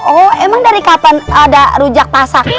oh emang dari kapan ada rujak pasak